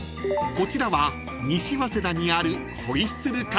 ［こちらは西早稲田にある］